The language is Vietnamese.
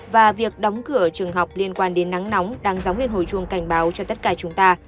và việc đóng cửa trường học liên quan đến nắng nóng đang dóng lên hồi chuông cảnh báo cho tất cả chúng ta